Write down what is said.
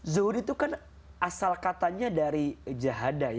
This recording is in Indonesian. zuhud itu kan asal katanya dari jahadah